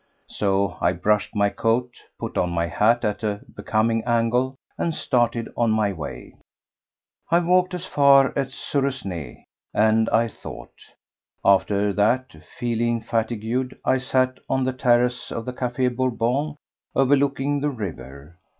So I brushed my coat, put on my hat at a becoming angle, and started on my way. I walked as far as Suresnes, and I thought. After that, feeling fatigued, I sat on the terrace of the Café Bourbon, overlooking the river.